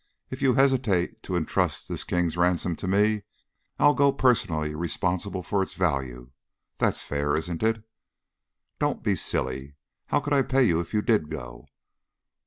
If you hesitate to intrust this king's ransom to me, I'll go personally responsible for its value. That's fair, isn't it?" "Don't be silly. How could I pay you if you did go?"